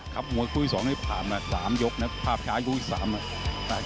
ครับมันคุยสองนี้ผ่านมาสามยกนะครับภาพค้าคุยสามนะครับ